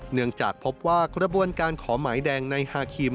เนื่องจากพบว่ากระบวนการขอหมายแดงในฮาคิม